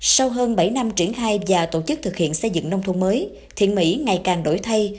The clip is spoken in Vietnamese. sau hơn bảy năm triển khai và tổ chức thực hiện xây dựng nông thôn mới thiện mỹ ngày càng đổi thay